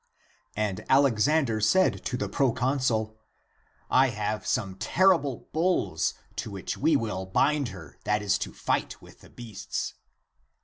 And Alexander said to the proconsul, " I have some terrible bulls, to which we will bind her that is to fight with the beasts."